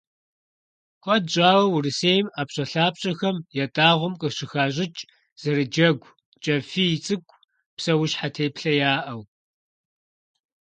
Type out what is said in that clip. Куэд щӀауэ Урысейм ӀэпщӀэлъапщӀэхэм ятӀагъуэм къыщыхащӀыкӀ зэрыджэгу, кӀэфий цӀыкӀу, псэущхьэ теплъэяӀэу.